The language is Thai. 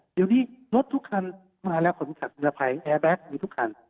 เดี๋ยวนี้รถทุกคันมาแล้วคนขับเรือภัยแอร์แบ็คมีทุกคัน